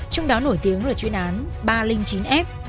trong đó nổi tiếng là chuyên án ba trăm linh chín f